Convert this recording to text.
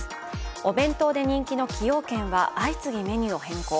お弁当で人気の崎陽軒は相次ぐメニューを変更。